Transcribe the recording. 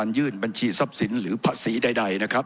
ผมจะขออนุญาตให้ท่านอาจารย์วิทยุซึ่งรู้เรื่องกฎหมายดีเป็นผู้ชี้แจงนะครับ